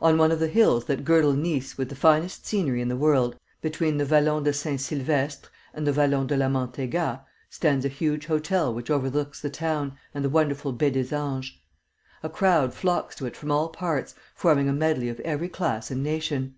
On one of the hills that girdle Nice with the finest scenery in the world, between the Vallon de Saint Silvestre and the Vallon de La Mantéga, stands a huge hotel which overlooks the town and the wonderful Baie des Anges. A crowd flocks to it from all parts, forming a medley of every class and nation.